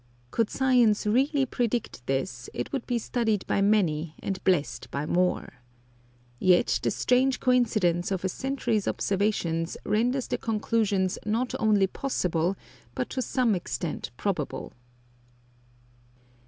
Could science really predict this, it would be studied by many and blessed by more. Yet the strange coincidence of a century's observations renders the conclusions not only possible, but to some extent probable.